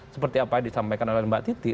seperti apa yang disampaikan oleh mbak titi